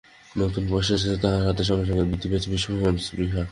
নতুন পয়সা এসেছে তাদের হাতে, সঙ্গে সঙ্গে বৃদ্ধি পেয়েছে বিশ্বভ্রমণের স্পৃহা।